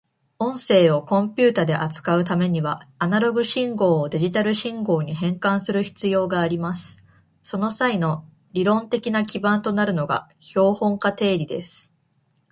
音声をコンピュータで扱うためには、アナログ信号をデジタル信号に変換する必要があります。その際の理論的な基盤となるのが標本化定理です。